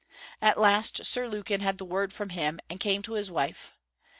At last Sir Lukin had the word from him, and came to his wife.